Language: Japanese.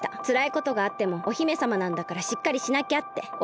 つらいことがあってもお姫さまなんだからしっかりしなきゃって。